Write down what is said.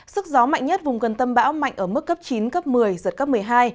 sức gió mạnh nhất vùng gần tâm bão mạnh ở mức cấp chín cấp một mươi giật cấp một mươi hai